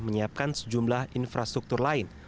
menyiapkan sejumlah infrastruktur lain